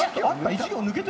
１行抜けて。